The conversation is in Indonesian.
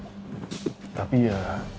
untuk menyambung hidup